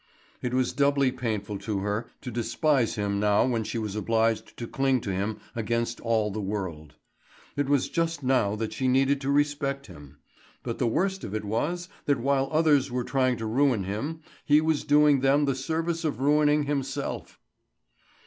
It was doubly painful to her to despise him now when she was obliged to cling to him against all the world. It was just now that she needed to respect him; but the worst of it was that while others were trying to ruin him he was doing them the service of ruining himself.